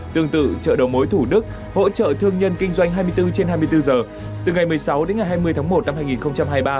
tương tự chợ đầu mối thủ đức hỗ trợ thương nhân kinh doanh hai mươi bốn trên hai mươi bốn giờ từ ngày một mươi sáu đến ngày hai mươi tháng một năm hai nghìn hai mươi ba